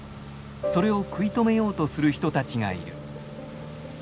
それを食い止めようとする人たちがいる。